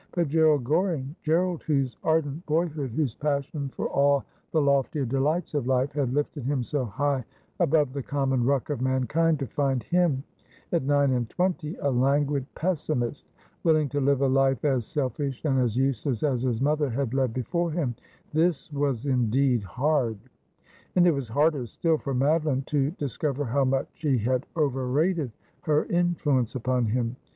But Gerald Goring — Gerald, whose ardent boyhood, whose passion for all the loftier delights of life, had lifted him so high above the common ruck of mankind— to find him at nine and twenty a languid pessimist, willing to live a life as selfish and as useless as his mother had led before him : this was indeed hard. And it was harder still for Madoline to dis cover how much she had overrated her influence upon him.